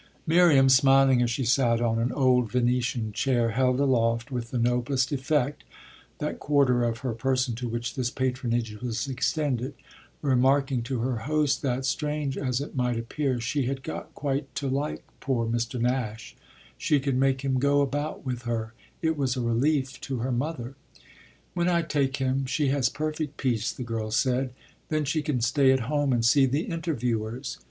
Miriam, smiling as she sat on an old Venetian chair, held aloft, with the noblest effect, that quarter of her person to which this patronage was extended, remarking to her host that, strange as it might appear, she had got quite to like poor Mr. Nash: she could make him go about with her it was a relief to her mother. "When I take him she has perfect peace," the girl said; "then she can stay at home and see the interviewers.